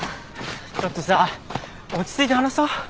ちょっとさ落ち着いて話そう。